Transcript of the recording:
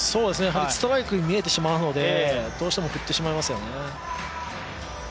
ストライクに見えてしまうのでどうしても振ってしまいますよね。